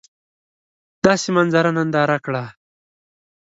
داسي منظره ننداره کړه !